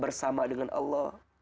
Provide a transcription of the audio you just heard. bersama dengan allah